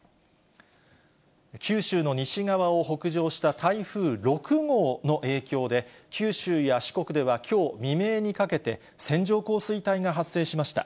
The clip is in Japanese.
九州の西側を北上した台風６号の影響で、九州や四国ではきょう未明にかけて、線状降水帯が発生しました。